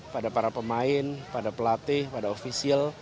pada para pemain pada pelatih pada ofisial